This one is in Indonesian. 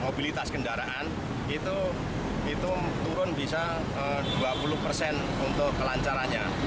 mobilitas kendaraan itu turun bisa dua puluh persen untuk kelancarannya